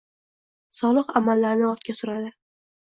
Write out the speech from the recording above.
solih amallarni ortga suradi.